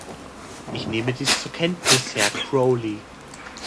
Ich nehme dies zur Kenntnis, Herr Crowley.